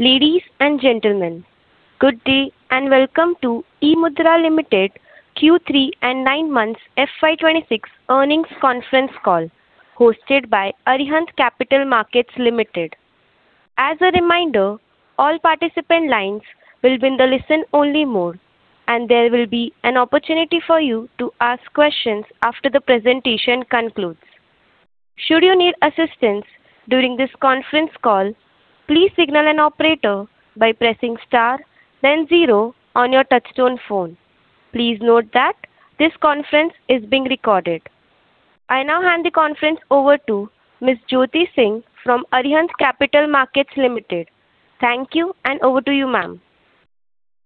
...Ladies and gentlemen, good day, and welcome to eMudhra Limited Q3 and nine months FY 2026 earnings conference call, hosted by Arihant Capital Markets Limited. As a reminder, all participant lines will be in the listen-only mode, and there will be an opportunity for you to ask questions after the presentation concludes. Should you need assistance during this conference call, please signal an operator by pressing star then zero on your touchtone phone. Please note that this conference is being recorded. I now hand the conference over to Ms. Jyoti Singh from Arihant Capital Markets Limited. Thank you, and over to you, ma'am.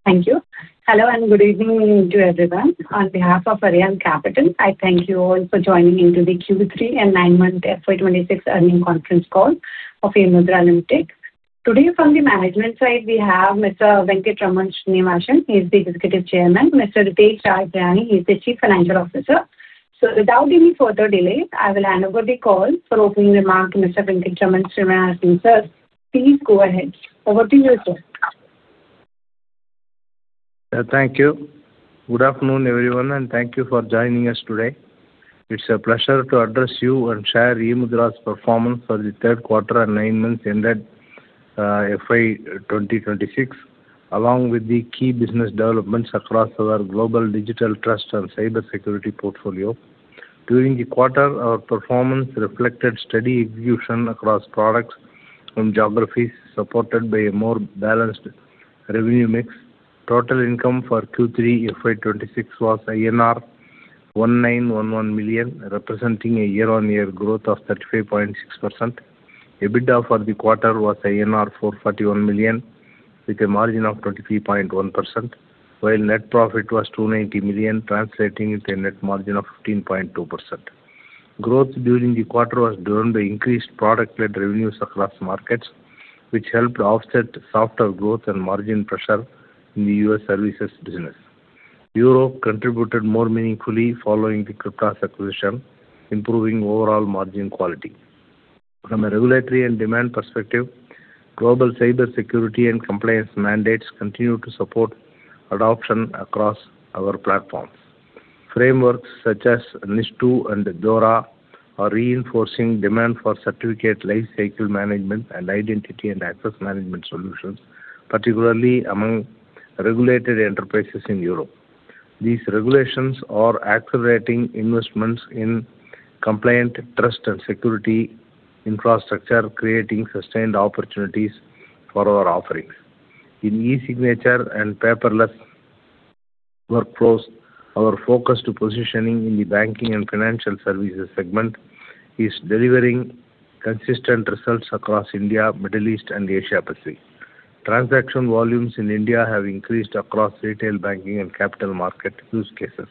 Thank you. Hello, and good evening to everyone. On behalf of Arihant Capital, I thank you all for joining into the Q3 and nine-month FY 2026 earnings conference call of eMudhra Limited. Today, from the management side, we have Mr. Venkatraman Srinivasan. He is the Executive Chairman. Mr. Ritesh Raj Pariyani, he's the Chief Financial Officer. So without any further delay, I will hand over the call for opening remarks to Mr. Venkatraman Srinivasan. Sir, please go ahead. Over to you, sir. Thank you. Good afternoon, everyone, and thank you for joining us today. It's a pleasure to address you and share eMudhra's performance for the third quarter and nine months ended FY 2026, along with the key business developments across our global digital trust and cybersecurity portfolio. During the quarter, our performance reflected steady execution across products and geographies, supported by a more balanced revenue mix. Total income for Q3 FY 2026 was INR 1,911 million, representing a year-on-year growth of 35.6%. EBITDA for the quarter was INR 441 million, with a margin of 23.1%, while net profit was 290 million, translating into a net margin of 15.2%. Growth during the quarter was driven by increased product-led revenues across markets, which helped offset softer growth and margin pressure in the U.S. services business. Europe contributed more meaningfully following the Cryptas acquisition, improving overall margin quality. From a regulatory and demand perspective, global cybersecurity and compliance mandates continue to support adoption across our platforms. Frameworks such as NIS2 and DORA are reinforcing demand for certificate lifecycle management and identity and access management solutions, particularly among regulated enterprises in Europe. These regulations are accelerating investments in compliant trust and security infrastructure, creating sustained opportunities for our offerings. In e-signature and paperless workflows, our focus to positioning in the banking and financial services segment is delivering consistent results across India, Middle East, and Asia Pacific. Transaction volumes in India have increased across retail banking and capital market use cases,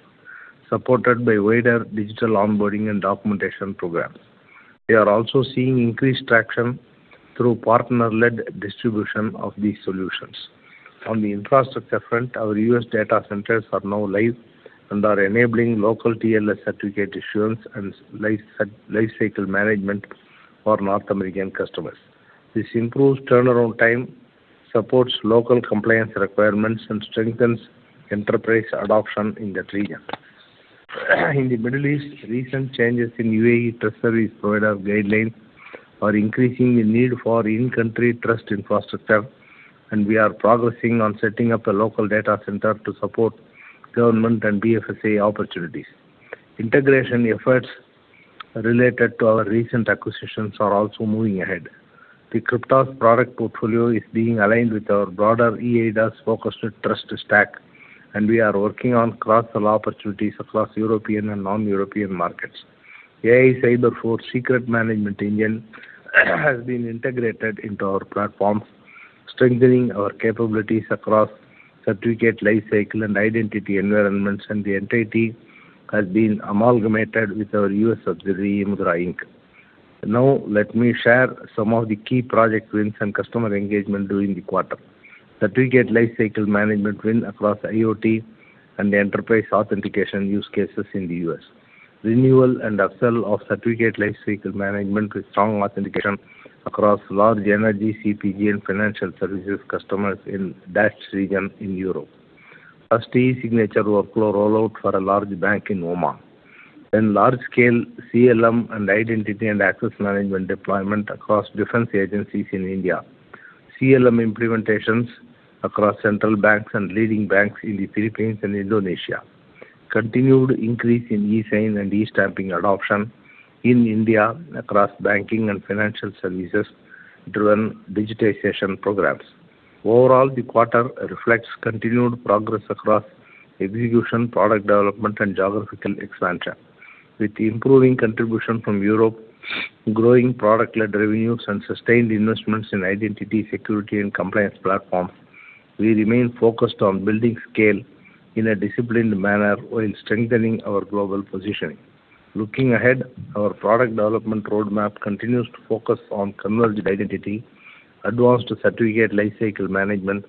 supported by wider digital onboarding and documentation programs. We are also seeing increased traction through partner-led distribution of these solutions. On the infrastructure front, our U.S. data centers are now live and are enabling local TLS certificate issuance and lifecycle management for North American customers. This improves turnaround time, supports local compliance requirements, and strengthens enterprise adoption in that region. In the Middle East, recent changes in UAE trust service provider guidelines are increasing the need for in-country trust infrastructure, and we are progressing on setting up a local data center to support government and BFSI opportunities. Integration efforts related to our recent acquisitions are also moving ahead. The Cryptas product portfolio is being aligned with our broader eIDAS-focused trust stack, and we are working on cross-sell opportunities across European and non-European markets. Ikon Tech Secret Management Engine has been integrated into our platforms, strengthening our capabilities across certificate lifecycle and identity environments, and the entity has been amalgamated with our U.S. subsidiary, eMudhra Inc. Now, let me share some of the key project wins and customer engagement during the quarter. Certificate lifecycle management win across IoT and enterprise authentication use cases in the U.S. Renewal and upsell of certificate lifecycle management with strong authentication across large energy, CPG, and financial services customers in DACH region in Europe. First, e-signature workflow rollout for a large bank in Oman. Then large-scale CLM and identity and access management deployment across defense agencies in India. CLM implementations across central banks and leading banks in the Philippines and Indonesia. Continued increase in e-sign and e-stamping adoption in India across banking and financial services-driven digitization programs. Overall, the quarter reflects continued progress across execution, product development, and geographical expansion. With improving contribution from Europe, growing product-led revenues, and sustained investments in identity, security, and compliance platforms, we remain focused on building scale in a disciplined manner while strengthening our global positioning. Looking ahead, our product development roadmap continues to focus on converged identity, advanced certificate lifecycle management,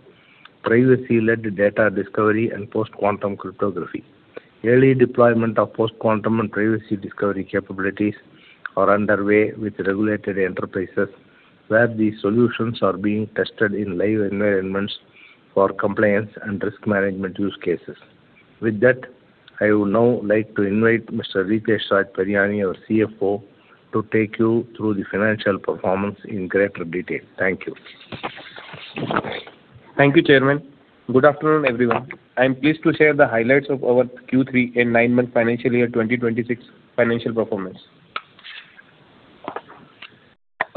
privacy-led data discovery, and post-quantum cryptography.... Early deployment of post-quantum and privacy discovery capabilities are underway with regulated enterprises, where the solutions are being tested in live environments for compliance and risk management use cases. With that, I would now like to invite Mr. Ritesh Raj Pariyani, our CFO, to take you through the financial performance in greater detail. Thank you. Thank you, Chairman. Good afternoon, everyone. I am pleased to share the highlights of our Q3 and 9-month financial year 2026 financial performance.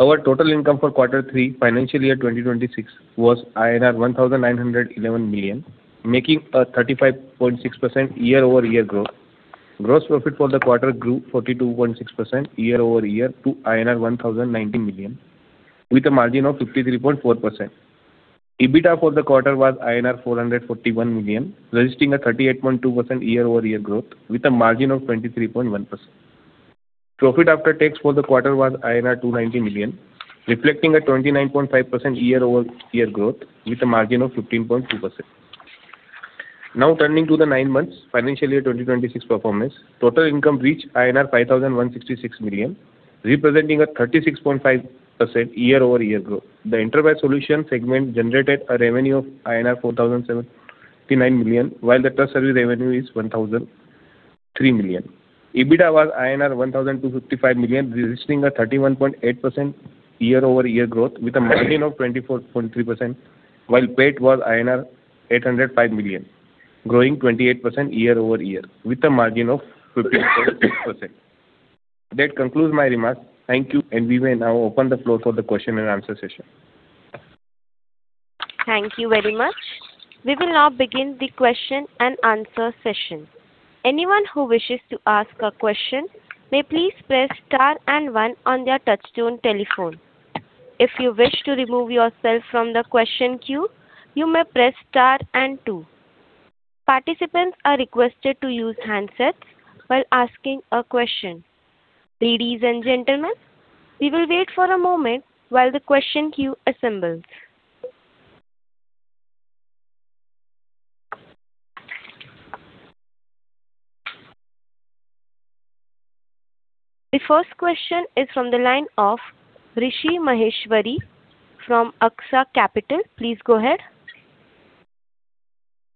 Our total income for quarter three, financial year 2026, was INR 1,911 million, making a 35.6% year-over-year growth. Gross profit for the quarter grew 42.6% year-over-year to INR 1,090 million, with a margin of 53.4%. EBITDA for the quarter was INR 441 million, registering a 38.2% year-over-year growth, with a margin of 23.1%. Profit after tax for the quarter was INR 290 million, reflecting a 29.5% year-over-year growth, with a margin of 15.2%. Now, turning to the nine months financial year 2026 performance. Total income reached INR 5,166 million, representing a 36.5% year-over-year growth. The enterprise solution segment generated a revenue of INR 4,079 million, while the trust service revenue is 1,003 million. EBITDA was INR 1,255 million, registering a 31.8% year-over-year growth, with a margin of 24.3%, while PAT was INR 805 million, growing 28% year-over-year, with a margin of 15.6%. That concludes my remarks. Thank you, and we may now open the floor for the question and answer session. Thank you very much. We will now begin the question and answer session. Anyone who wishes to ask a question, may please press star and one on their touchtone telephone. If you wish to remove yourself from the question queue, you may press star and two. Participants are requested to use handsets while asking a question. Ladies and gentlemen, we will wait for a moment while the question queue assembles. The first question is from the line of Rishi Maheshwari from Aksa Capital. Please go ahead.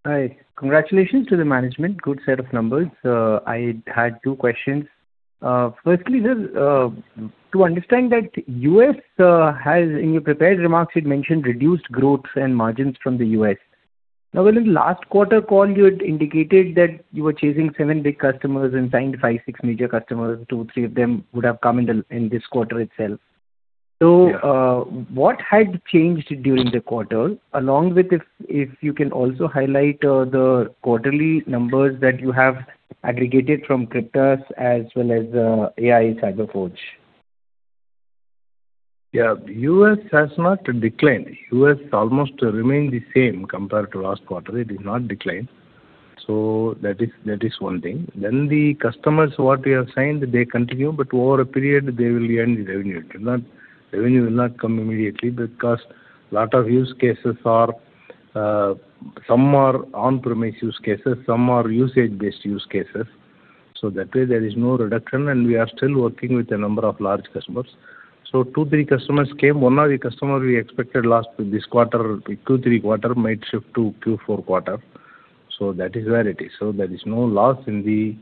Hi. Congratulations to the management. Good set of numbers. I had two questions. Firstly, sir, to understand the U.S. has in your prepared remarks, you'd mentioned reduced growth and margins from the U.S. Now, in the last quarter call, you had indicated that you were chasing seven big customers and signed five, six major customers, two, three of them would have come in this quarter itself. Yeah. So, what had changed during the quarter? Along with, if you can also highlight the quarterly numbers that you have aggregated from Cryptas as well as Ikon Tech. Yeah. U.S. has not declined. U.S. almost remain the same compared to last quarter. It is not declined. So that is, that is one thing. Then the customers, what we have signed, they continue, but over a period, they will earn the revenue. It will not... Revenue will not come immediately because a lot of use cases are, some are on-premise use cases, some are usage-based use cases. So that way, there is no reduction, and we are still working with a number of large customers. So 2-3 customers came. One of the customer we expected last this quarter, 2-3 quarter, might shift to Q4 quarter. So that is where it is. So there is no loss in the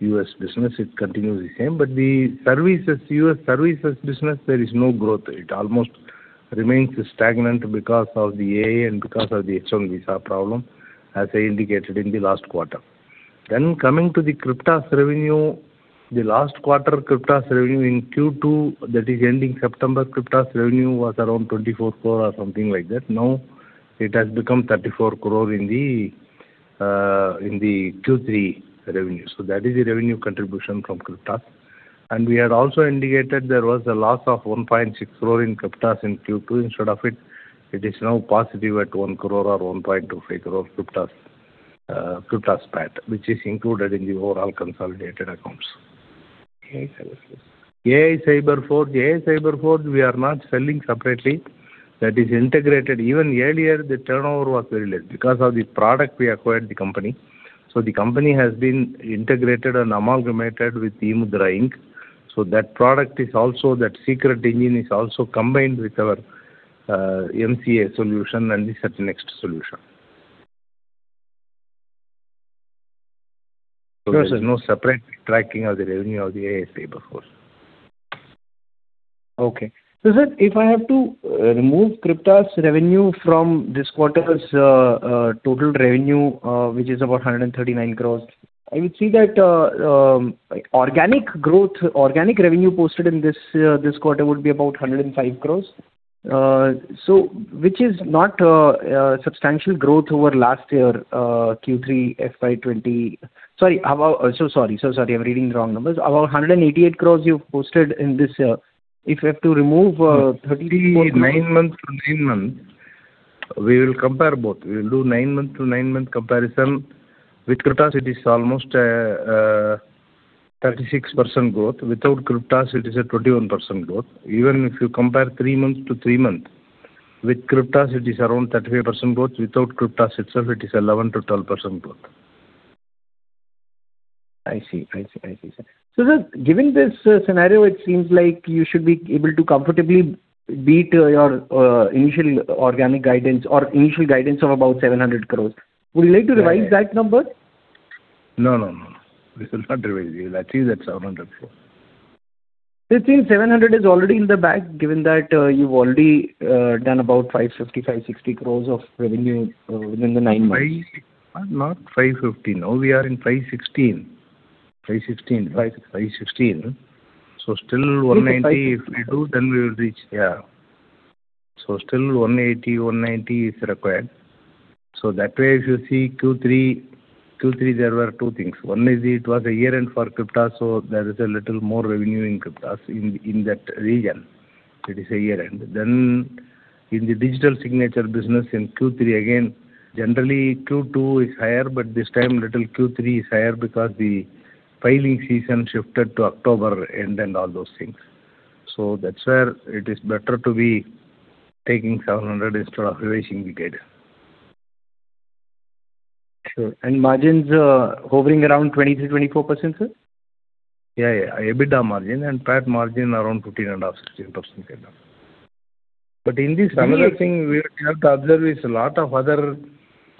U.S. business. It continues the same, but the services, U.S. services business, there is no growth. It almost remains stagnant because of the AI and because of the H-1 visa problem, as I indicated in the last quarter. Then, coming to the Cryptas revenue, the last quarter, Cryptas revenue in Q2, that is ending September, Cryptas revenue was around 24 crore or something like that. Now, it has become 34 crore in the Q3 revenue. So that is the revenue contribution from Cryptas. And we had also indicated there was a loss of 1.6 crore in Cryptas in Q2. Instead of it, it is now positive at 1 crore or 1.25 crore Cryptas, Cryptas PAT, which is included in the overall consolidated accounts. As regards. Ikon Tech. Ikon Tech, we are not selling separately. That is integrated. Even earlier, the turnover was very less. Because of the product, we acquired the company. So the company has been integrated and amalgamated with the eMudhra Inc. So that product is also, that secret engine is also combined with our emCA solution and the CertNext solution. Sure, sir. There is no separate tracking of the revenue of the Ikon Tech. Okay. So, sir, if I have to remove Cryptas revenue from this quarter's total revenue, which is about 139 crore, I would see that organic growth, organic revenue posted in this quarter would be about 105 crore. So which is not substantial growth over last year, Q3 FY 20... Sorry, about, so sorry, so sorry, I'm reading the wrong numbers. About 188 crore you've posted in this, if you have to remove 34- Nine months to nine months, we will compare both. We will do nine-month to nine-month comparison. With Cryptas, it is almost 36% growth. Without Cryptas, it is a 21% growth. Even if you compare three months to three months, with Cryptas, it is around 38% growth. Without Cryptas itself, it is 11%-12% growth. I see. I see, I see, sir. So then, given this scenario, it seems like you should be able to comfortably beat your initial organic guidance or initial guidance of about 700 crore. Yeah, yeah. Would you like to revise that number? No, no, no. We shall not revise. We will achieve that 700 crore. It seems 700 crores is already in the bag, given that you've already done about 550-560 crores of revenue within the nine months. 5, not 550. Now we are in 516. 516. Five sixteen. 516. So still 190, if we do, then we will reach. Yeah. So still 180-190 is required. So that way, if you see Q3, Q3, there were two things. One is it was a year-end for Cryptas, so there is a little more revenue in Cryptas in, in that region. It is a year-end. Then in the digital signature business, in Q3, again, generally, Q2 is higher, but this time little Q3 is higher because the filing season shifted to October end, and all those things. So that's where it is better to be taking 700 instead of revising the guidance. Sure. Margins are hovering around 20%-24%, sir? Yeah, yeah. EBITDA margin and PAT margin around 13.5%, 16% kind of. But in this another thing we have to observe is a lot of other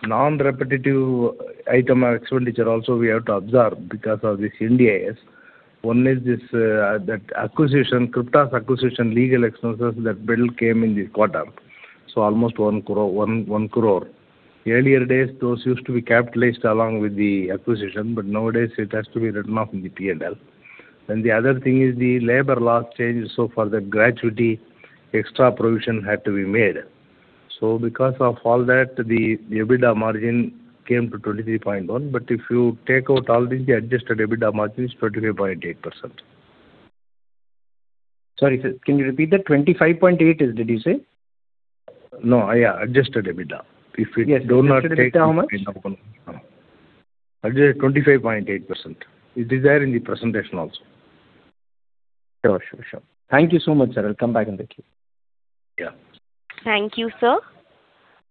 non-repetitive item or expenditure also we have to observe because of this Ind AS. One is this, that acquisition, Cryptas acquisition, legal expenses, that bill came in this quarter, so almost 1 crore, one, one crore. Earlier days, those used to be capitalized along with the acquisition, but nowadays it has to be written off in the P&L. Then the other thing is the labor law changes, so for the gratuity, extra provision had to be made. So because of all that, the EBITDA margin came to 23.1%. But if you take out all the adjusted EBITDA margin, is 25.8%. Sorry, sir, can you repeat that? 25.8, did you say? No. Yeah, adjusted EBITDA. Yes. If you do not take- Adjusted EBITDA, how much? Adjusted, 25.8%. It is there in the presentation also. Sure, sure, sure. Thank you so much, sir. I'll come back in the queue. Yeah. Thank you, sir.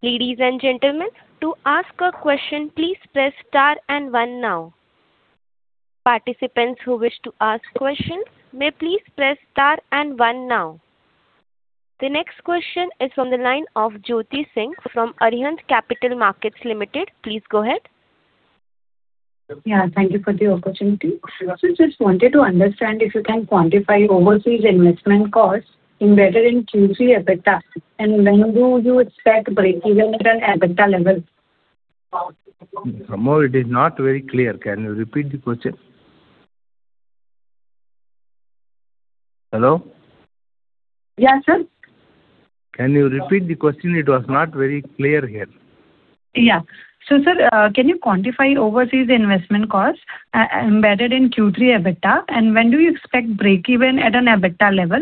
Ladies and gentlemen, to ask a question, please press star and one now. Participants who wish to ask questions may please press star and one now. The next question is from the line of Jyoti Singh from Arihant Capital Markets Limited. Please go ahead. Yeah, thank you for the opportunity. So just wanted to understand if you can quantify overseas investment costs embedded in Q3 EBITDA, and when do you expect breakeven at an EBITDA level? More, it is not very clear. Can you repeat the question? Hello? Yeah, sir. Can you repeat the question? It was not very clear here. Yeah. So, sir, can you quantify overseas investment costs embedded in Q3 EBITDA, and when do you expect breakeven at an EBITDA level?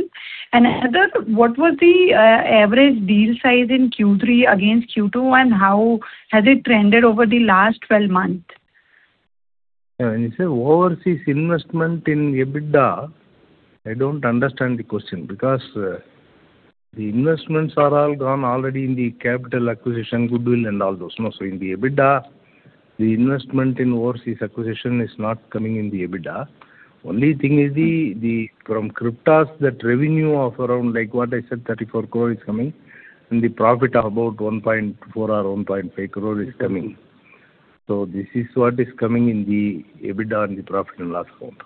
And another, what was the average deal size in Q3 against Q2, and how has it trended over the last 12 months? When you say overseas investment in EBITDA, I don't understand the question, because the investments are all gone already in the capital acquisition, goodwill, and all those, no. So in the EBITDA, the investment in overseas acquisition is not coming in the EBITDA. Only thing is the from Cryptas, that revenue of around, like what I said, 34 crore is coming, and the profit of about 1.4 or 1.5 crore is coming. So this is what is coming in the EBITDA, in the profit and loss account.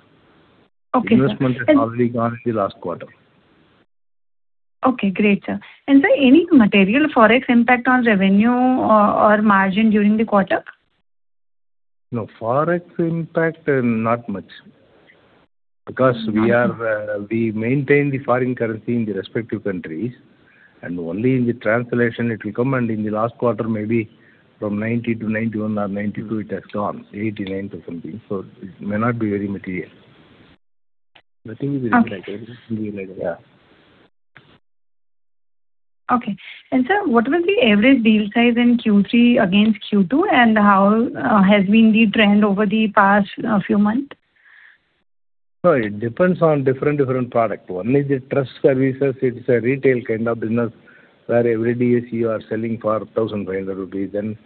Okay, sir. Investment has already gone in the last quarter. Okay, great, sir. Sir, any material Forex impact on revenue or margin during the quarter? No, Forex impact, not much, because we are- Okay. We maintain the foreign currency in the respective countries, and only in the translation it will come, and in the last quarter, maybe from 90 to 91 or 92, it has gone, 89 or something. So it may not be very material. Nothing is like it. Okay. Yeah. Okay. And, sir, what was the average deal size in Q3 against Q2, and how has been the trend over the past few months? So it depends on different products. One is the trust services. It's a retail kind of business, where every DSC you are selling for 1,500 rupees, then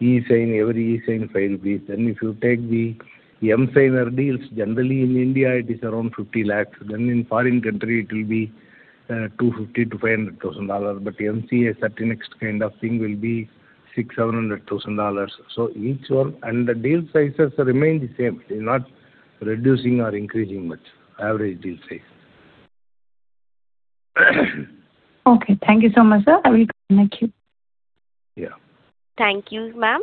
eSign, every eSign, 5 rupees. Then if you take the emSigner deals, generally in India it is around 5 million. Then in foreign country it will be $250,000-$500,000, but emCA, CertNext kind of thing will be $600,000-$700,000. So each one. The deal sizes remain the same. They're not reducing or increasing much, average deal size. Okay, thank you so much, sir. I will come back to you. Yeah. Thank you, ma'am.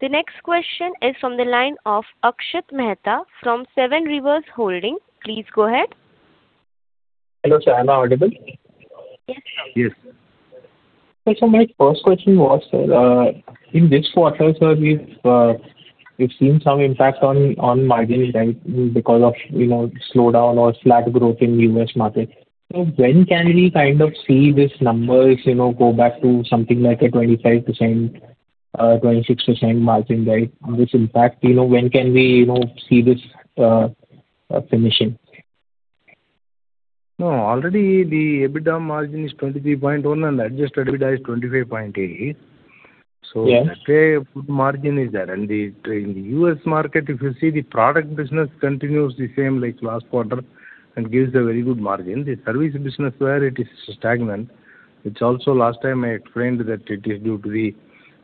The next question is from the line of Akshat Mehta from Seven Rivers Capital. Please go ahead. Hello, sir. Am I audible? Yes. Yes. So my first question was, sir, in this quarter, sir, we've, we've seen some impact on, on margin, right, because of, you know, slowdown or flat growth in the U.S. market. So when can we kind of see these numbers, you know, go back to something like a 25%?... 26% margin, right? And this impact, you know, when can we, you know, see this finishing? No, already the EBITDA margin is 23.1, and adjusted EBITDA is 25.8. Yes. So that way, good margin is there. And the, the US market, if you see the product business continues the same like last quarter and gives a very good margin. The service business where it is stagnant, it's also last time I explained that it is due to the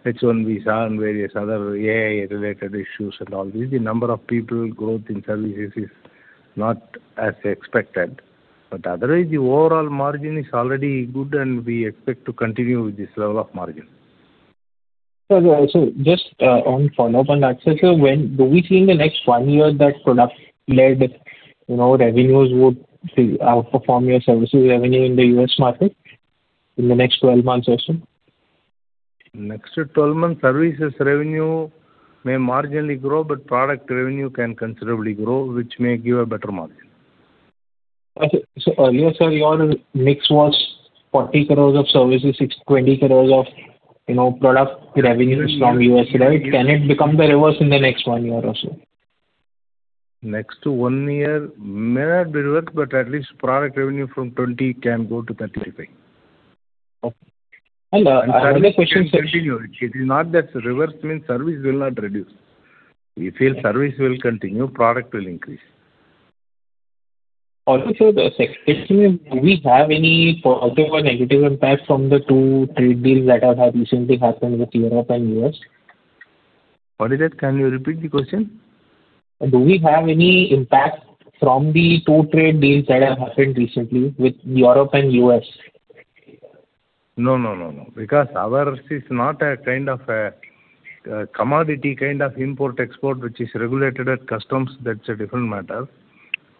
H-1 visa and various other AI-related issues and all this. The number of people growth in services is not as expected, but otherwise, the overall margin is already good, and we expect to continue with this level of margin. Also, just, on follow-up on that, sir, so when do we see in the next one year that product-led, you know, revenues would outperform your services revenue in the U.S. market in the next 12 months or so? Next 12 months, services revenue may marginally grow, but product revenue can considerably grow, which may give a better margin. Okay. So earlier, sir, your mix was 40 crores of services, it's 20 crores of, you know, product revenues from U.S., right? Can it become the reverse in the next one year or so? Next one year may not be reverse, but at least product revenue from 20 can go to 35. Okay. Another question- Services continue. It is not that revenue means service will not reduce. We feel service will continue, product will increase. Also, so the second question is, do we have any positive or negative impact from the two trade deals that have recently happened with Europe and US? What is that? Can you repeat the question? Do we have any impact from the two trade deals that have happened recently with Europe and US? No, no, no, no, because ours is not a kind of a, commodity kind of import, export, which is regulated at customs. That's a different matter.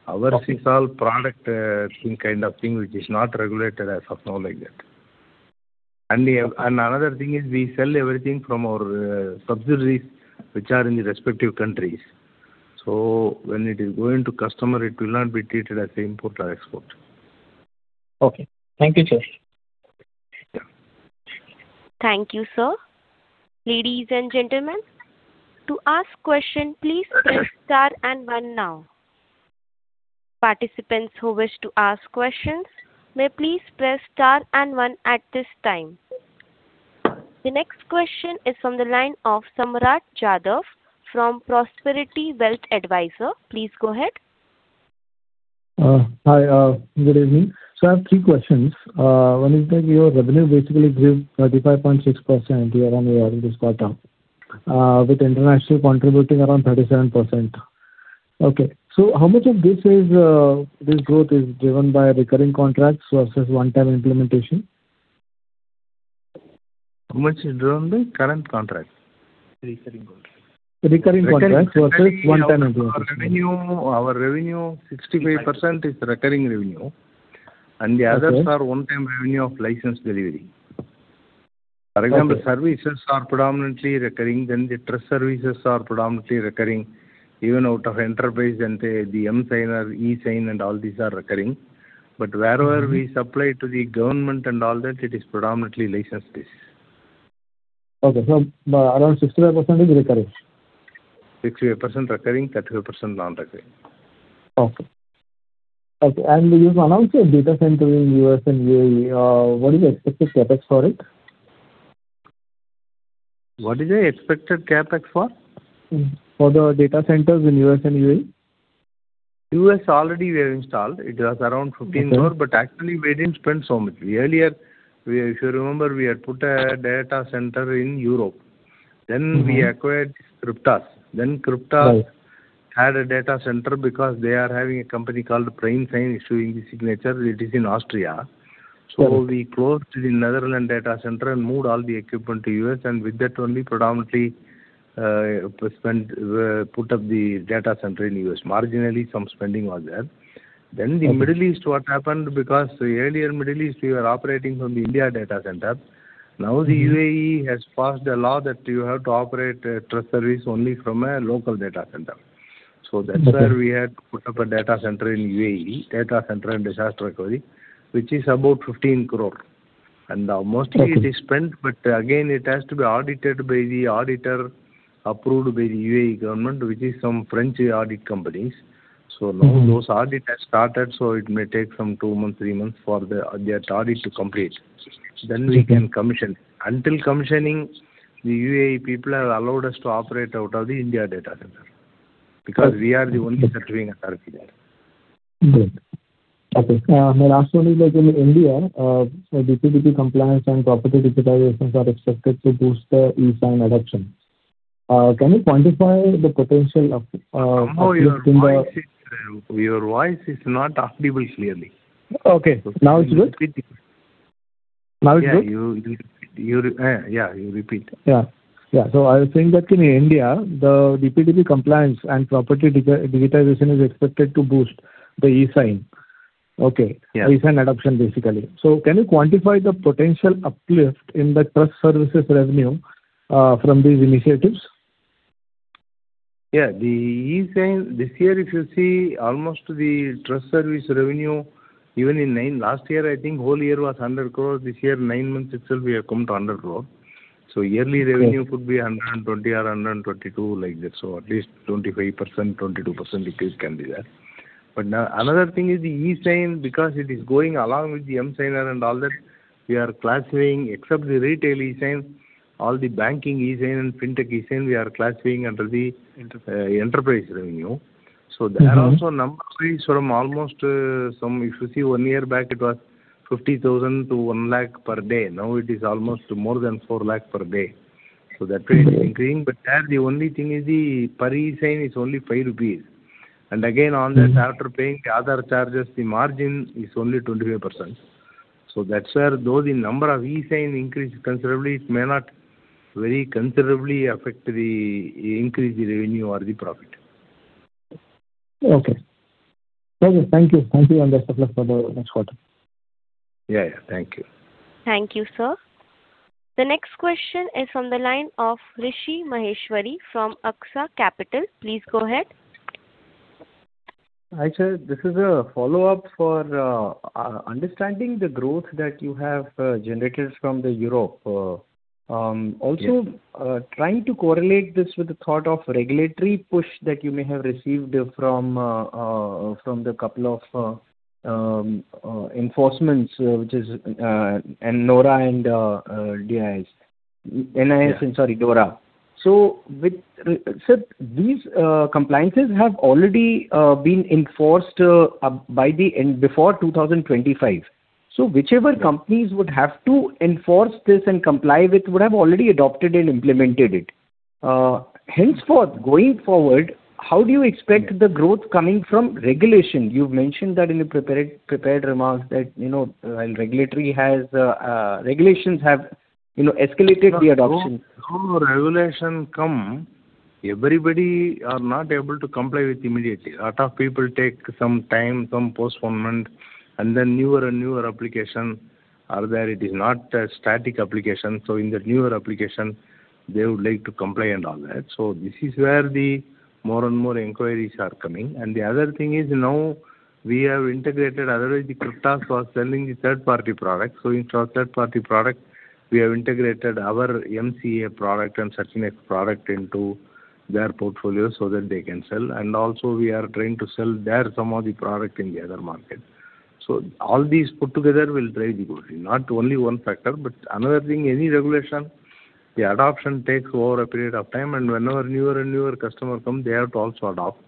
Okay. Ours is all product, thing, kind of thing, which is not regulated as of now like that. And another thing is we sell everything from our subsidiaries, which are in the respective countries. So when it is going to customer, it will not be treated as an import or export. Okay. Thank you, sir. Thank you, sir. Ladies and gentlemen, to ask question, please press Star and One now. Participants who wish to ask questions may please press Star and One at this time. The next question is from the line of Samraat Jadhav from Prosperity Wealth Management. Please go ahead. Hi, good evening. I have three questions. One is that your revenue basically grew 35.6% year-on-year in this quarter, with international contributing around 37%. Okay, how much of this is, this growth is driven by recurring contracts versus one-time implementation? How much is driven the current contract? Recurring contract. Recurring contract versus one-time implementation. Our revenue, 65% is recurring revenue- Okay. and the others are one-time revenue of license delivery. Okay. For example, services are predominantly recurring, then the trust services are predominantly recurring. Even out of enterprise and the emSigner, eSign and all these are recurring. But wherever we supply to the government and all that, it is predominantly license-based. Okay. So around 65% is recurring? 65% recurring, 30% non-recurring. Okay. Okay, and you've announced a data center in U.S. and UAE, what is the expected CapEx for it? What is the expected CapEx for? For the data centers in US and UAE. U.S., already we have installed. It was around 15 crore- Okay. but actually we didn't spend so much. Earlier, we... If you remember, we had put a data center in Europe. Mm-hmm. Then we acquired Cryptas. Then Cryptas- Right... had a data center because they are having a company called PrimeSign, issuing the signature. It is in Austria. Sure. So we closed the Netherlands data center and moved all the equipment to U.S., and with that only predominantly we put up the data center in U.S. Marginally, some spending was there. Okay. Then the Middle East, what happened, because earlier in Middle East, we were operating from the India data center. Now, the UAE- Mm-hmm... has passed a law that you have to operate a trust service only from a local data center. Okay. So that's where we had to put up a data center in UAE, data center and disaster recovery, which is about 15 crore. Okay. Mostly it is spent, but again, it has to be audited by the auditor, approved by the UAE government, which is some French audit companies. Mm-hmm. Now that audit has started, so it may take some two months, three months, for that audit to complete. Okay. Then we can commission. Until commissioning, the UAE people have allowed us to operate out of the India data center, because we are the only certifying authority there. Good. Okay, my last one is that in India, so DPDP compliance and property digitization are expected to boost the eSign adoption. Can you quantify the potential of, of-? Oh, your voice is not audible clearly. Okay. Now it's good? Can you repeat it? Now it's good? Yeah, you repeat. Yeah, yeah. So I was saying that in India, the DPDP compliance and property digitization is expected to boost the eSign. Okay. Yeah. eSign adoption, basically. So can you quantify the potential uplift in the trust services revenue from these initiatives? ... Yeah, the e-sign, this year, if you see, almost the trust service revenue, even in nine months last year, I think whole year was 100 crores. This year, nine months itself, we have come to 100 crores. So yearly revenue- Okay. -could be 120 or 122, like that. So at least 25%, 22% increase can be there. But now, another thing is the e-sign, because it is going along with the emSigner and all that, we are classifying, except the retail e-sign, all the banking e-sign and fintech e-sign, we are classifying under the- Enterprise. enterprise revenue. So there also- Mm-hmm. Number-wise, from almost, if you see one year back, it was 50,000 to 100,000 per day. Now it is almost more than 400,000 per day. So that way it is increasing. Mm. But there, the only thing is the per e-sign is only 5 rupees. And again, on that- Mm-hmm. After paying the other charges, the margin is only 25%. So that's where, though the number of e-Sign increased considerably, it may not very considerably affect the increase the revenue or the profit. Okay. Okay, thank you. Thank you on the surplus for the next quarter. Yeah, yeah. Thank you. Thank you, sir. The next question is from the line of Rishi Maheshwari from Aksa Capital. Please go ahead. Hi, sir. This is a follow-up for understanding the growth that you have generated from the Europe. Yeah. -also, trying to correlate this with the thought of regulatory push that you may have received from the couple of enactments, which is DORA and NIS2. Yeah. -and sorry, DORA. So with... Sir, these compliances have already been enforced by the end, before 2025. So whichever companies would have to enforce this and comply with would have already adopted and implemented it. Henceforth, going forward, how do you expect- Yeah. the growth coming from regulation? You've mentioned that in the prepared remarks that, you know, while regulations have, you know, escalated the adoption. So regulation come, everybody are not able to comply with immediately. A lot of people take some time, some postponement, and then newer and newer application are there. It is not a static application. So in the newer application, they would like to comply and all that. So this is where the more and more inquiries are coming. And the other thing is, now we have integrated; otherwise, the Cryptas was selling the third-party products. So in our third-party product, we have integrated our MCA product and CertNext product into their portfolio so that they can sell. And also we are trying to sell their some of the product in the other market. So all these put together will drive the growth, not only one factor. Another thing, any regulation, the adoption takes over a period of time, and whenever newer and newer customer come, they have to also adopt.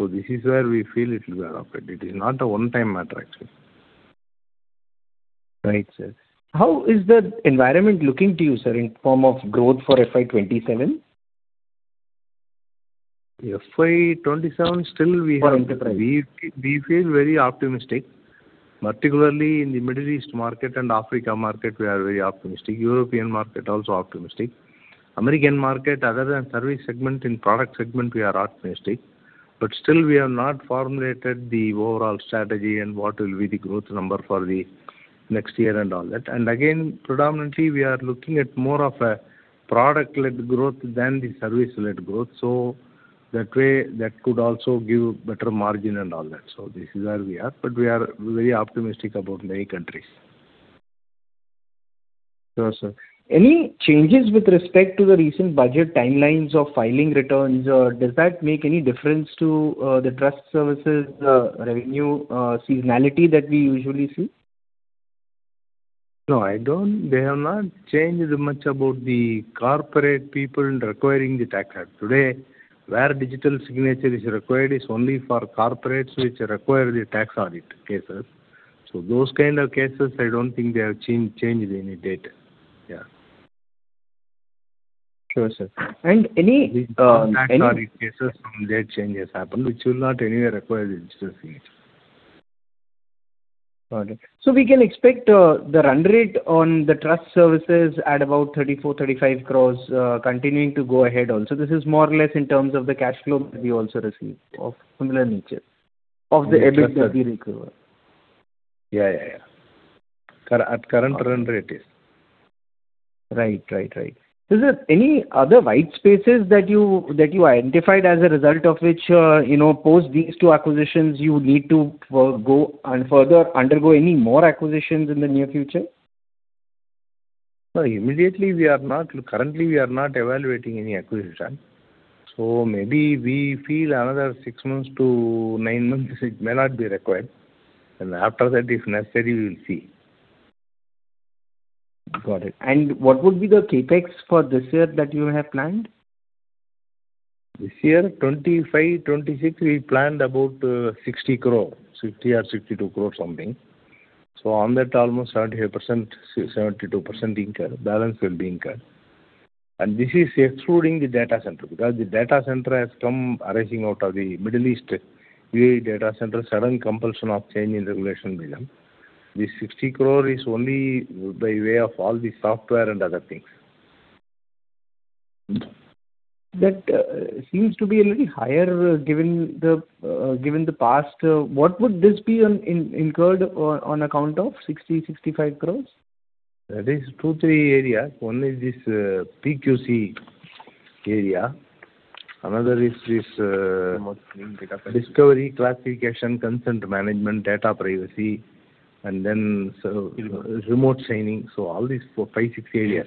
This is where we feel it will be adopted. It is not a one-time matter, actually. Right, sir. How is the environment looking to you, sir, in form of growth for FY 2027? FY 2027, still we have- For enterprise. We feel very optimistic, particularly in the Middle East market and Africa market; we are very optimistic. European market, also optimistic. American market, other than service segment, in product segment, we are optimistic. But still we have not formulated the overall strategy and what will be the growth number for the next year and all that. And again, predominantly, we are looking at more of a product-led growth than the service-led growth, so that way, that could also give better margin and all that. So this is where we are, but we are very optimistic about many countries. Sure, sir. Any changes with respect to the recent budget timelines of filing returns, or does that make any difference to the trust services revenue seasonality that we usually see? No, I don't. They have not changed much about the corporate people requiring the tax act. Today, where digital signature is required, is only for corporates which require the tax audit cases. So those kind of cases, I don't think they have changed any date. Yeah. Sure, sir. And any... Tax audit cases, when date changes happen, which will not anyway require digital signature. Got it. We can expect the run rate on the trust services at about 34 crore-35 crore, continuing to go ahead also. This is more or less in terms of the cash flow that you also received of similar nature, of the EBITDA be recovered. Yeah, yeah, yeah. At current run rate, it is. Right, right, right. Is there any other white spaces that you identified as a result of which, you know, post these two acquisitions, you need to work, go and further undergo any more acquisitions in the near future? No, immediately we are not. Currently, we are not evaluating any acquisition, so maybe we feel another six to nine months, it may not be required. After that, if necessary, we will see. Got it. What would be the CapEx for this year that you have planned? This year, 2025-2026, we planned about, 60 crore, 60 or 62 crore, something. So on that, almost 75%, 72% incurred balance will be incurred. And this is excluding the data center, because the data center has come arising out of the Middle East UAE data center, sudden compulsion of change in regulation with them. The 60 crore is only by way of all the software and other things. That seems to be a little higher, given the, given the past. What would this be on, incurred on account of 60 crore-65 crore?... That is two, three areas. One is this, PQC area. Another is this, discovery, classification, consent management, data privacy, and then so remote signing. So all these four, five, six areas.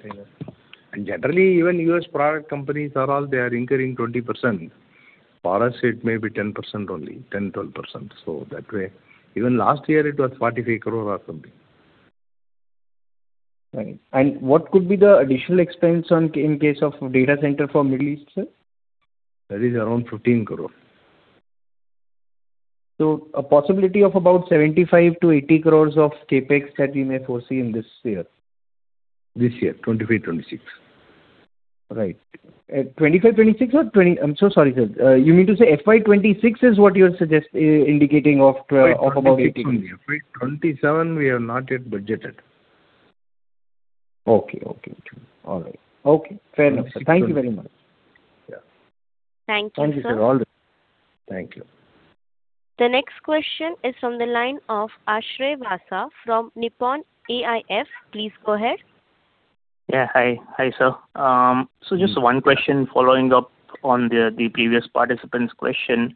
And generally, even U.S. product companies are all, they are incurring 20%. For us, it may be 10% only, 10, 12%. So that way, even last year it was 45 crore or something. Right. And what could be the additional expense on, in case of data center for Middle East, sir? That is around 15 crore. A possibility of about 75 crore-80 crore of CapEx that we may foresee in this year? This year, 2025, 2026. Right. 2025, 2026... I'm so sorry, sir. You mean to say FY 2026 is what you are suggest- indicating of, of about- 27, we have not yet budgeted. Okay. Okay. All right. Okay, fair enough, sir. Thank you very much. Yeah. Thank you, sir. Thank you, sir. All right. Thank you. The next question is from the line of Ashray Vasa from Nippon AIF. Please go ahead. Yeah. Hi. Hi, sir. So just one question following up on the, the previous participant's question.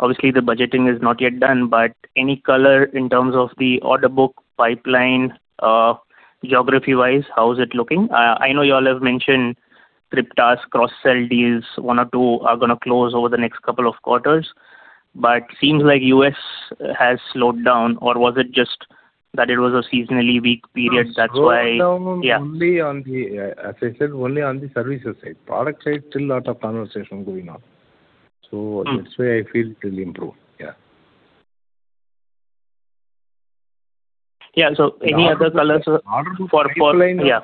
Obviously, the budgeting is not yet done, but any color in terms of the order book pipeline, geography-wise, how is it looking? I know you all have mentioned Cryptas cross-sell deals, one or two are gonna close over the next couple of quarters, but seems like US has slowed down, or was it just that it was a seasonally weak period, that's why- Slowed down only on the, as I said, only on the services side. Product side, still a lot of conversation going on. Mm. So that's why I feel it will improve. Yeah. Yeah, so any other colors for... Yeah.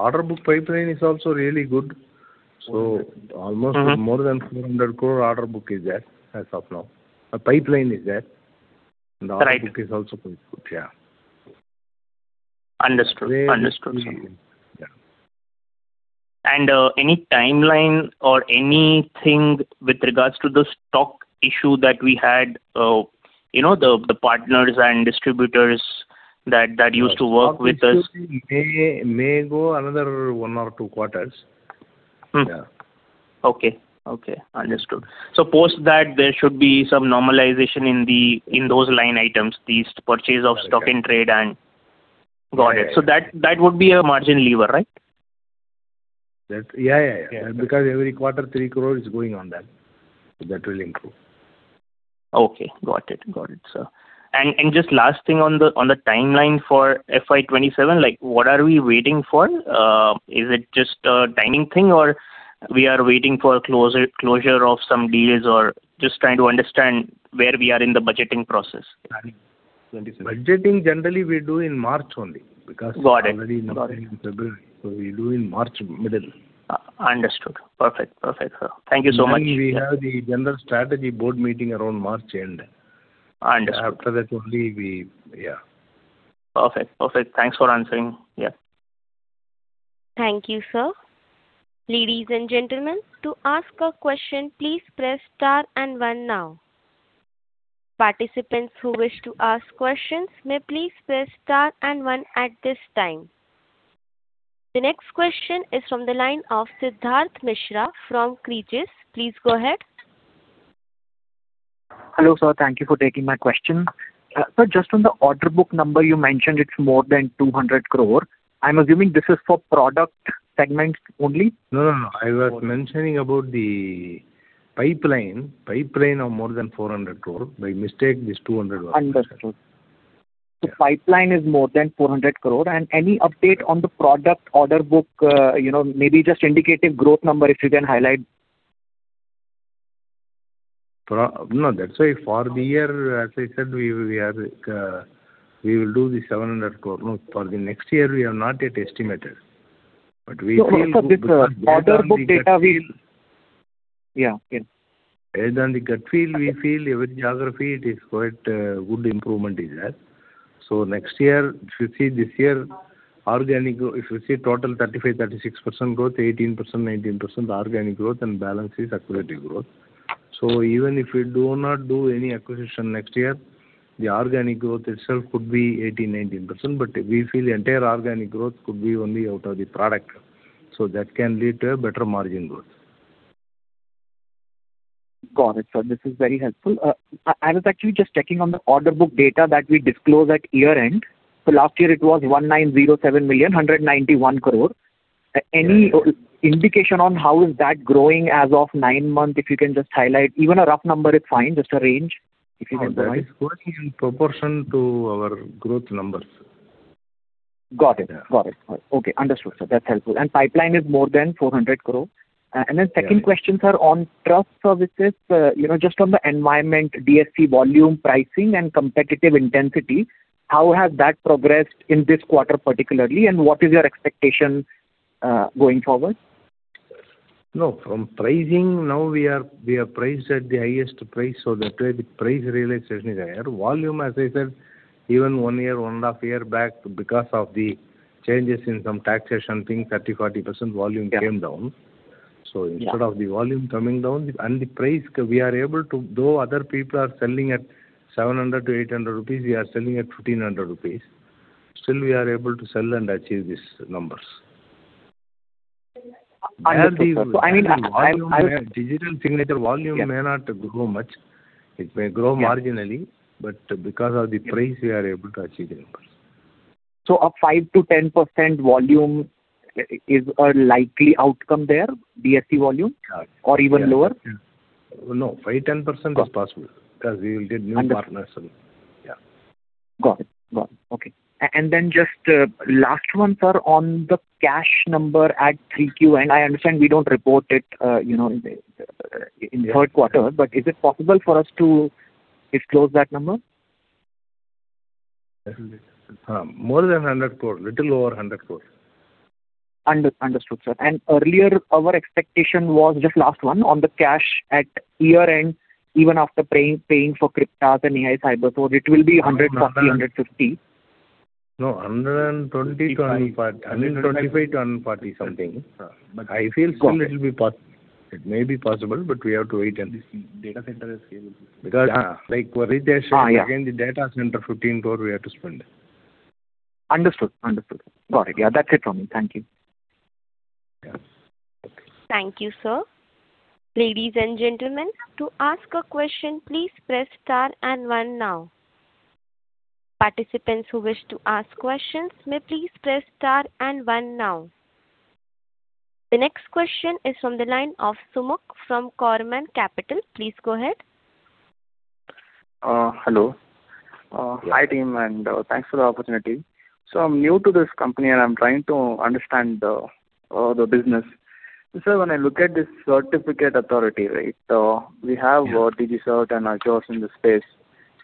Order book pipeline is also really good. Mm-hmm. Almost more than 400 crore order book is there, as of now. A pipeline is there. Right. The order book is also quite good. Yeah. Understood. Understood, sir. Yeah. Any timeline or anything with regards to the stock issue that we had, you know, the partners and distributors that used to work with us? May, may go another one or two quarters. Hmm. Yeah. Okay. Okay. Understood. So post that, there should be some normalization in those line items, the purchase of stock in trade and- Yeah. Got it. So that, that would be a margin lever, right? That's... Yeah, yeah, yeah. Yeah. Because every quarter, 3 crore is going on that. So that will improve. Okay. Got it. Got it, sir. And, and just last thing on the, on the timeline for FY 2027, like, what are we waiting for? Is it just a timing thing, or we are waiting for closure, closure of some deals, or just trying to understand where we are in the budgeting process? Budgeting, generally we do in March only, because- Got it. Already in February, so we do in March, middle. Understood. Perfect. Perfect, sir. Thank you so much. We have the general strategy board meeting around March end. Understood. After that only we... Yeah. Perfect. Perfect. Thanks for answering. Yeah. Thank you, sir. Ladies and gentlemen, to ask a question, please press Star and One now. Participants who wish to ask questions may please press Star and One at this time. The next question is from the line of Siddharth Mishra from Kriis. Please go ahead. Hello, sir, thank you for taking my question. Sir, just on the order book number, you mentioned it's more than 200 crore. I'm assuming this is for product segments only? No, no, no. Okay. I was mentioning about the pipeline, pipeline of more than 400 crore. By mistake, this 200 was- Understood. So pipeline is more than 400 crore. And any update on the product order book, you know, maybe just indicative growth number, if you can highlight? No, that's why for the year, as I said, we will do 700 crore. No, for the next year, we have not yet estimated. But we feel- Also this order book data, we- On the gut feel. Yeah. Yeah. Based on the gut feel, we feel every geography it is quite good improvement is there. So next year, if you see this year, organic growth, if you see total 35-36% growth, 18%-19% organic growth and balance is accretive growth. So even if we do not do any acquisition next year, the organic growth itself could be 18, 18%, but we feel the entire organic growth could be only out of the product. So that can lead to a better margin growth. Got it, sir. This is very helpful. I was actually just checking on the order book data that we disclosed at year-end. So last year it was 1,907 million, 191 crore. Yeah. Any indication on how is that growing as of nine months? If you can just highlight, even a rough number is fine, just a range, if you can provide. That is growing in proportion to our growth numbers. Got it. Yeah. Got it. Got it. Okay, understood, sir. That's helpful. Pipeline is more than 400 crore. Yeah. And then second question, sir, on trust services, you know, just on the environment, DSC volume, pricing, and competitive intensity, how has that progressed in this quarter particularly, and what is your expectation, going forward? No, from pricing, now we are, we are priced at the highest price, so the price, price realization is higher. Volume, as I said, even 1 year, 1.5 years back, because of the changes in some taxation thing, 30%-40% volume- Yeah came down. So instead of the volume coming down, and the price, we are able to, though other people are selling at 700-800 rupees, we are selling at 1,500 rupees. Still, we are able to sell and achieve these numbers. I mean, Digital signature volume- Yeah. may not grow much. It may grow Yeah. Marginally, but because of the price, we are able to achieve the numbers. So a 5%-10% volume is a likely outcome there, DSC volume? Yeah. Or even lower? Yeah. No, 5%-10% is possible- Under- because we will get new partners. Yeah. Got it. Got it. Okay. And then just, last one, sir, on the cash number at 3Q, and I understand we don't report it, you know, in the third quarter, but is it possible for us to disclose that number? Absolutely. More than 100 crore, little over 100 crore. Understood, sir. Earlier, our expectation was, just last one, on the cash at year-end, even after paying for Cryptas and AI Cyberforce, so it will be 140-150. No, 120 to 140... 125 to 140 something. But I feel soon it will be possible. It may be possible, but we have to wait and see. Data center is capable. Because, like for registration- Ah, yeah. Again, the data center, 15 crore we have to spend. Understood. Understood. Got it. Yeah, that's it from me. Thank you. Yes. Thank you, sir. Ladies and gentlemen, to ask a question, please press star and one now. Participants who wish to ask questions may please press star and one now. The next question is from the line of Sumukh from Carnelian Asset Management. Please go ahead. Hello. Hi, team, and thanks for the opportunity. So I'm new to this company, and I'm trying to understand the business. So when I look at this certificate authority, right, we have- Yeah. -DigiCert and Azure in this space.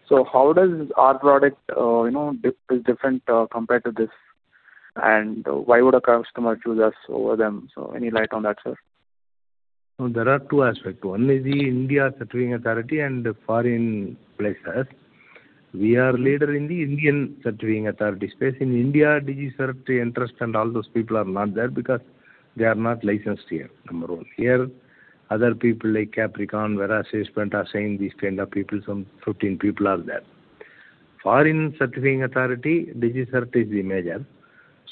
So how does our product, you know, different compared to this? And why would a customer choose us over them? So any light on that, sir? So there are two aspects. One is the India Certifying Authority and the foreign places. We are leader in the Indian Certifying Authority space. In India, DigiCert, Entrust, and all those people are not there because they are not licensed here, number one. Here, other people like Capricorn, Verasys, IDSign, these kind of people, some 15 people are there. Foreign Certifying Authority, DigiCert is the major.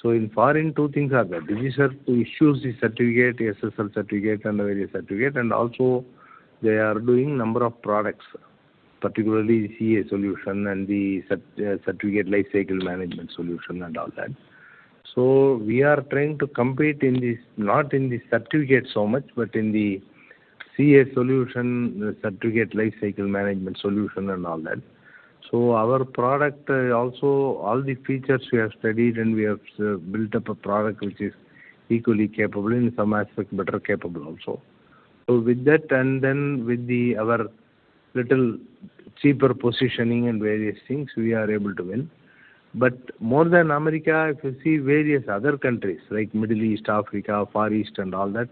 So in foreign, two things are there. DigiCert issues the certificate, SSL Certificate and various certificate, and also they are doing number of products, particularly CA solution and the cert, Certificate Lifecycle Management solution and all that. So we are trying to compete in this, not in the certificate so much, but in the CA solution, the Certificate Lifecycle Management solution, and all that. So our product, also all the features we have studied, and we have, built up a product which is equally capable, in some aspects, better capable also. So with that and then with the... our little cheaper positioning and various things, we are able to win. But more than America, if you see various other countries, like Middle East, Africa, Far East and all that,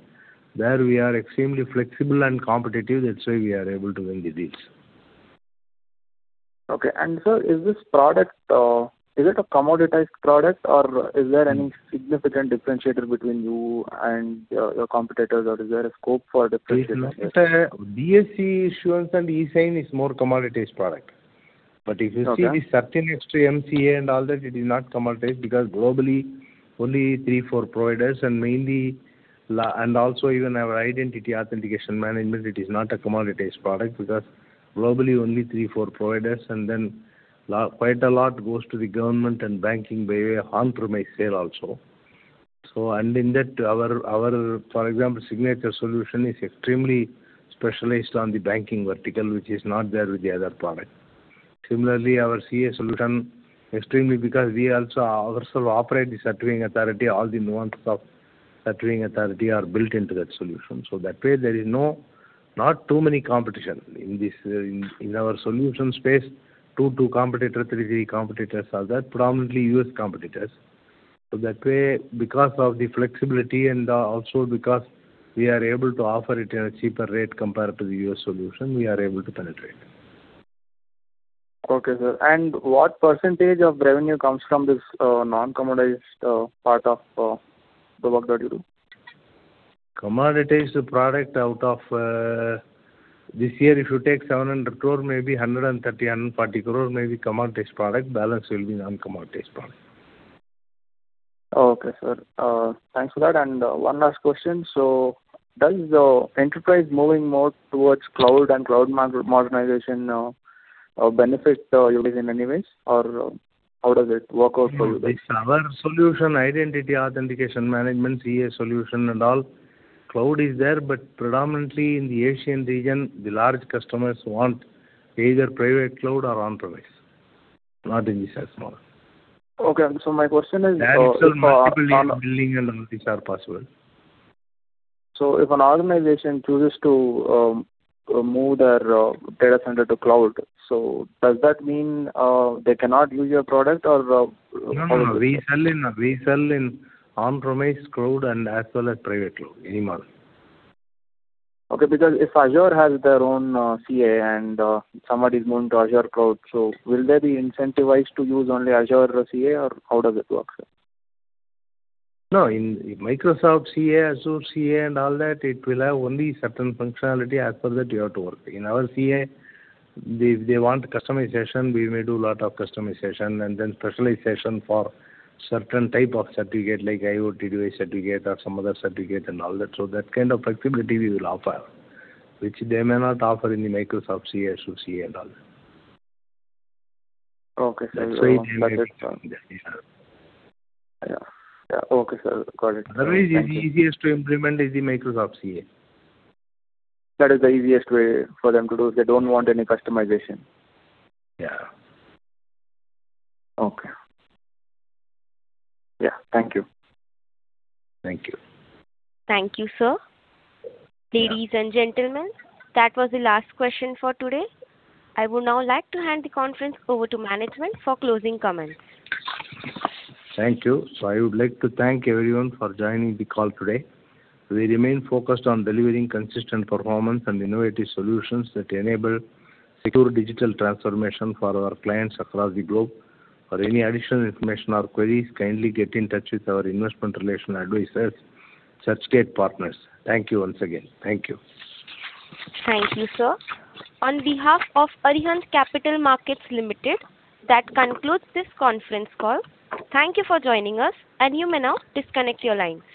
there we are extremely flexible and competitive. That's why we are able to win the deals. Okay. And sir, is this product, is it a commoditized product, or is there any significant differentiator between you and your, your competitors, or is there a scope for differentiation? It's not a DSC issuance and eSign is more commoditized product. Okay. But if you see the CertNext MCA and all that, it is not commoditized because globally, only 3-4 providers, and mainly, and also even our identity authentication management, it is not a commoditized product, because globally, only 3-4 providers, and then quite a lot goes to the government and banking by on-premise sale also. So, and in that, our, for example, signature solution is extremely specialized on the banking vertical, which is not there with the other product. Similarly, our CA solution, extremely because we also ourselves operate the Certifying Authority, all the nuance of Certifying Authority are built into that solution. So that way, there is no, not too many competition. In this, in our solution space, 2-3 competitors are there, predominantly U.S. competitors. So that way, because of the flexibility and also because we are able to offer it at a cheaper rate compared to the U.S. solution, we are able to penetrate. Okay, sir. And what percentage of revenue comes from this, non-commoditized, part of, the work that you do? Commoditized product out of this year, if you take 700 crore, maybe 130-140 crore may be commoditized product. Balance will be non-commoditized product. Okay, sir. Thanks for that. One last question: so does the enterprise moving more towards cloud and cloud modernization benefit you guys in any ways? Or, how does it work out for you guys? Yes. Our solution, identity, authentication, management, CA solution, and all. Cloud is there, but predominantly in the Asian region, the large customers want either private cloud or on-premise, not in this as well. Okay, and so my question is, Direct sell, multiple billing, and all these are possible. So if an organization chooses to move their data center to cloud, so does that mean they cannot use your product or how- No, no, no. We sell in, we sell in on-premise, cloud, and as well as private cloud, any model. Okay, because if Azure has their own CA and somebody is going to Azure cloud, so will they be incentivized to use only Azure CA, or how does it work, sir? No, in Microsoft CA, Azure CA, and all that, it will have only certain functionality. As per that, you have to work. In our CA, they want customization, we may do a lot of customization, and then specialization for certain type of certificate, like IoT device certificate or some other certificate and all that. So that kind of flexibility we will offer, which they may not offer in the Microsoft CA, Azure CA, and all that. Okay, sir. That's why they may... Yeah. Yeah. Yeah. Okay, sir. Got it. Otherwise, the easiest to implement is the Microsoft CA. That is the easiest way for them to do if they don't want any customization? Yeah. Okay. Yeah, thank you. Thank you. Thank you, sir. Yeah. Ladies and gentlemen, that was the last question for today. I would now like to hand the conference over to management for closing comments. Thank you. I would like to thank everyone for joining the call today. We remain focused on delivering consistent performance and innovative solutions that enable secure digital transformation for our clients across the globe. For any additional information or queries, kindly get in touch with our investment relations advisors, Churchgate Partners. Thank you once again. Thank you. Thank you, sir. On behalf of Arihant Capital Markets Limited, that concludes this conference call. Thank you for joining us, and you may now disconnect your line.